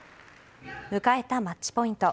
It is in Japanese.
迎えたマッチポイント。